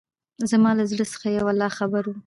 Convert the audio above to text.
زما له زړه څخه يو الله خبر وو.